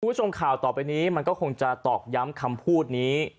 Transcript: คุณผู้ชมข่าวต่อไปนี้มันก็คงจะตอกย้ำคำพูดนี้